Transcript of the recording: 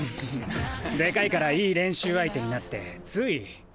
でかいからいい練習相手になってつい。